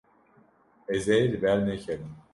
Ez ê li ber nekevim.